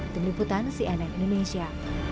deniputan cnn indonesia